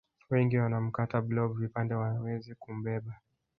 Wengi wanamkata blob vipande waweze kumbeba